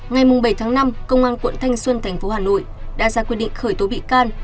ngày bảy tháng năm công an quận thanh xuân thành phố hà nội đã ra quyết định khởi tố bị can